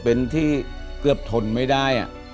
เป็นที่เกือบทนไม่ได้